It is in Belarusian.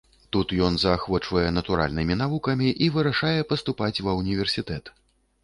Тут ён заахвочвае натуральнымі навукамі і вырашае паступаць ва ўніверсітэт.